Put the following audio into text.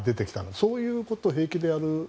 そういうことを平気でやる。